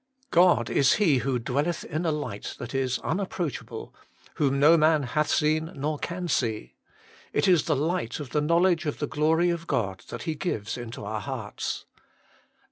God is He who dwelleth in a light that is unapproachable, whom no man hath seen or can see : it is the light of the knowledge of the glory of God that He gives into our hearts.